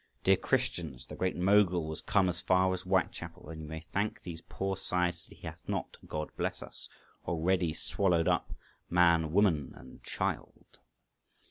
Dear Christians, the Great Moghul was come as far as Whitechapel, and you may thank these poor sides that he hath not—God bless us—already swallowed up man, woman, and child."